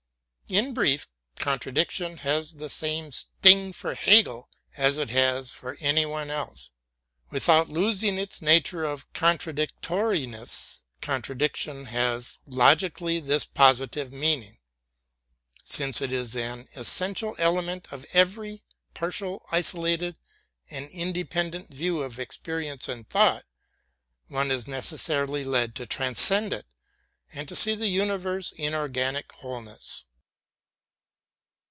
In brief, con tradiction has the same sting for Hegel as it has for any one else. Without losing its nature of ''contradictoriness," contradiction has logically this positive meaning. Since it is an essential element of every partial, isolated, and inde pendent view of experience and thought, one is necessarily led to transcend it and to see the universe in organic whole ness.